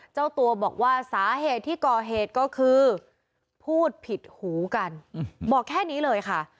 เจ้าตัวบอกว่าสาเหตุที่ก่อเหตุก็คือพูดผิดหูกันบอกแค่นี้เลยค่ะ